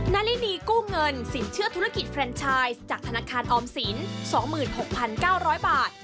นารินีกู้เงินสินเชื่อธุรกิจเฟรนชายจากธนาคารออมสิน๒๖๙๐๐บาท